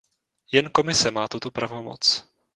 Jen Komise má tuto pravomoc.